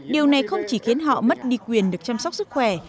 điều này không chỉ khiến họ mất đi quyền được chăm sóc sức khỏe